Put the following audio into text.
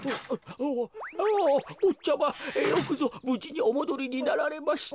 おぉぼっちゃまよくぞぶじにおもどりになられました。